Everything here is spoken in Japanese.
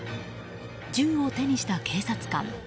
銃を手にした警察官。